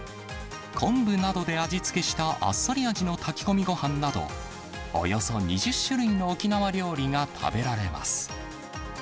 昆布などで味付けしたあっさり味の炊き込みごはんなど、およそ２０種類の沖縄料理が食べられます。